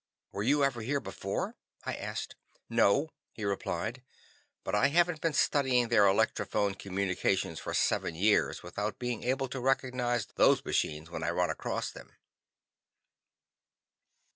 "Were you ever here before?" I asked. "No," he replied, "but I haven't been studying their electrophone communications for seven years without being able to recognize these machines when I run across them."